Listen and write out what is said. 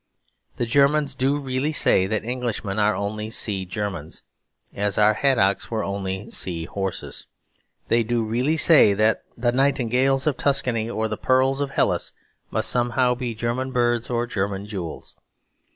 The Germans do really say that Englishmen are only Sea Germans, as our haddocks were only sea horses. They do really say that the nightingales of Tuscany or the pearls of Hellas must somehow be German birds or German jewels.